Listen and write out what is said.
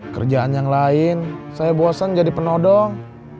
kerjaan yang lain saya bosan jadi penodong